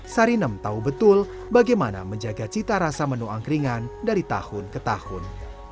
sarinem tahu betul bagaimana menjaga cita rasa menu angkringan dari tahun ke tahun